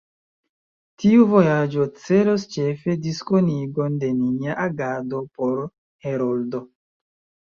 Tiu vojaĝo celos ĉefe diskonigon de nia agado por Heroldo.